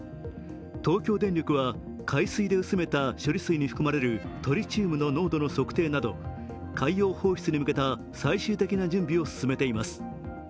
東京電力は海水で薄めた処理水に含まれるトリチウムの濃度の測定など海洋放出に向けた最終的な準備を進めています。